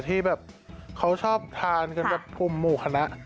ที่แบบเขาชอบทานกันแบบกลุ่มหมู่คณะ